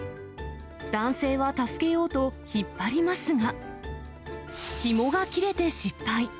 男性は助けようと引っ張りますが、ひもが切れて失敗。